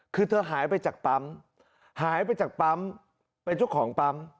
คือเธอหายไปจากปั๊มหายไปจากปั๊มเป็นเจ้าของปั๊ม